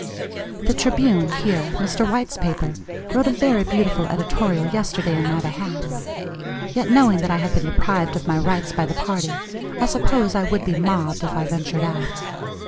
The Tribune here, Mr. White's paper, wrote a very beautiful editorial yesterday in my behalf; yet knowing that I have been deprived of my rights by the party, I suppose I would be mobbed if I ventured out.